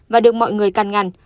và được mọi người căn ngăn